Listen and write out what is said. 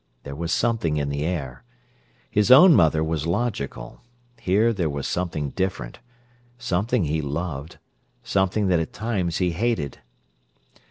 There was something in the air. His own mother was logical. Here there was something different, something he loved, something that at times he hated.